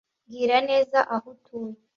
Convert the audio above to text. mbwira neza aho atuye